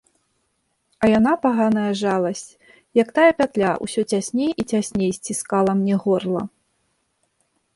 А яна, паганая жаласць, як тая пятля, усё цясней і цясней сціскала мне горла.